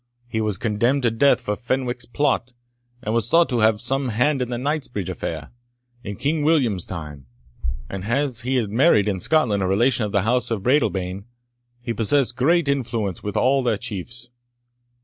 He was condemned to death for Fenwick's plot, and was thought to have had some hand in the Knightsbridge affair, in King William's time; and as he had married in Scotland a relation of the house of Breadalbane, he possessed great influence with all their chiefs.